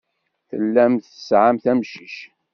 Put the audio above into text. Tellamt tesɛamt amcic.